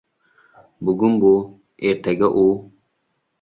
Bugun bu, ertaga u...